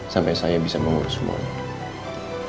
sampai saya bisa mengurus semuanya